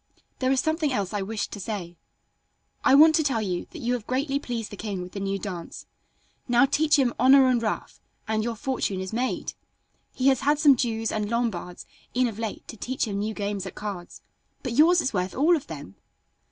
There is something else I wished to say. I want to tell you that you have greatly pleased the king with the new dance. Now teach him 'honor and ruff' and your fortune is made. He has had some Jews and Lombards in of late to teach him new games at cards, but yours is worth all of them."